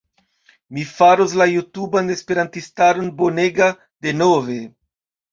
Mi faros la jutuban esperantistaron bonega denove!!